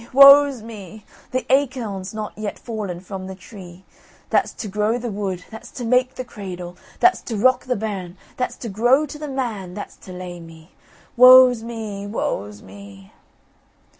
woe's me! The acorn's not yet Fallen from the tree, That's to grow the wood, That's to make the cradle, That's to rock the bairn, That's to grow to the man, That's to lay me. Woe's me! woe's me!"